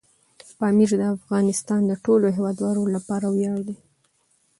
پامیر د افغانستان د ټولو هیوادوالو لپاره ویاړ دی.